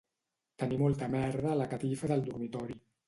Tenir molta merda a la catifa del dormitori.